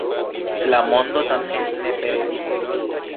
La mondo tamen ne pereos.